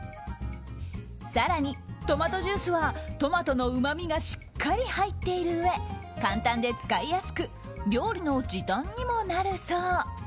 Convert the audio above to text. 更にトマトジュースはトマトのうまみがしっかり入っているうえ簡単で使いやすく料理の時短にもなるそう。